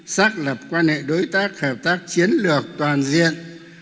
xác lập quan hệ đối tác hợp tác chiến lược toàn diện